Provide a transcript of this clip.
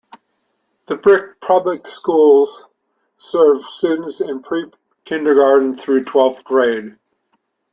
The Brick Public Schools serve students in pre-Kindergarten through twelfth grade.